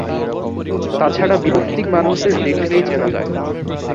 তা ছাড়া বিপত্নীক মানুষদের দেখলেই চেনা যায়।